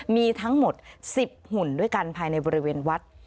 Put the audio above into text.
มีทั้งหมด๑๐หุ่นด้วยกันภายในบริเวณวัด